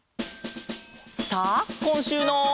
さあこんしゅうの。